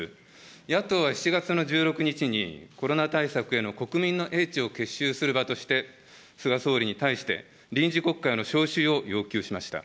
野党は７月の１６日に、コロナ対策への国民の英知を結集する場として、菅総理に対して、臨時国会の召集を要求しました。